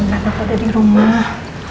ya aku ada di rumah